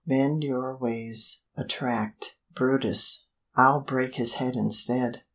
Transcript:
"'Mend your Ways,' a tract." brutus. "I'll break his head instead."